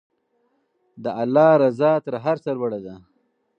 د الله رضا تر هر څه لوړه ده.